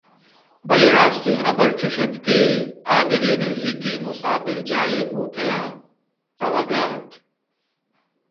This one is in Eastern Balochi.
بلئے راستیں حبر چوش اَت کہ آدگہ نزّیکیں مسافر جاہ ئے ءِ ہوٹل ءَ روگ ءَ اَت